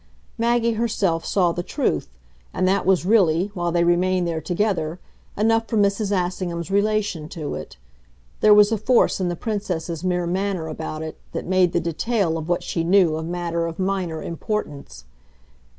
Maggie herself saw the truth, and that was really, while they remained there together, enough for Mrs. Assingham's relation to it. There was a force in the Princess's mere manner about it that made the detail of what she knew a matter of minor importance.